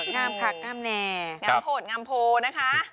งามคักงามแน่งามโหดงามโพนะคะ